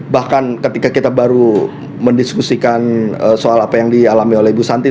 bahkan ketika kita baru mendiskusikan soal apa yang dialami oleh ibu santi